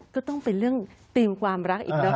ก็ต้องเป็นเรื่องตีมความรักอีกแล้ว